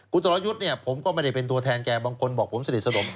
คุณสรยุทธ์เนี่ยผมก็ไม่ได้เป็นตัวแทนแกบางคนบอกผมสนิทสนม